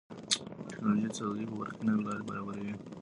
ټکنالوژي د سوداګرۍ په برخه کې نوې لارې برابروي.